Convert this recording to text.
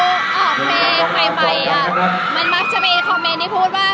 เวลาเราออกเพลงใหม่มันมักจะมีคอมเม้นท์ที่พูดว่า